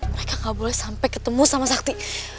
mereka gak boleh sampai ketemu sama sakti